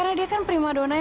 rencananya lancar kan